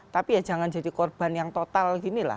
tapi ya jangan jadi korban yang total